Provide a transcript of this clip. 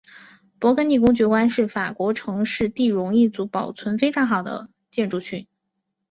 勃艮第公爵宫是法国城市第戎一组保存非常完好的建筑群。